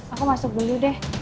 aku masuk dulu deh